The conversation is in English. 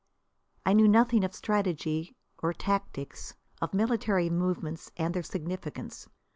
I knew nothing of strategy or tactics, of military movements and their significance.